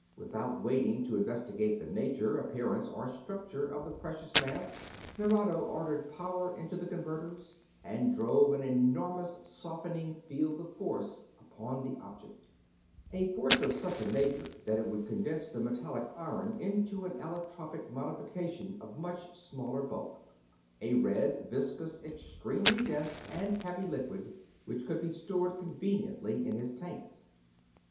Without waiting to investigate the nature, appearance, or structure of the precious mass, Nerado ordered power into the converters and drove an enormous softening field of force upon the object a force of such a nature that it would condense the metallic iron into an allotropic modification of much smaller bulk; a red, viscous, extremely dense and heavy liquid which could be stored conveniently in his tanks.